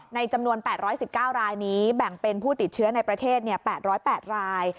จำนวน๘๑๙รายนี้แบ่งเป็นผู้ติดเชื้อในประเทศ๘๐๘ราย